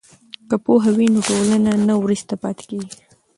که پوهه وي نو ټولنه نه وروسته پاتې کیږي.